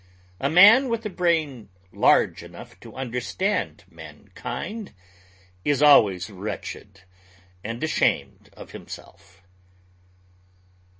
A man with a brain large enough to understand mankind is always wretched and ashamed of himself.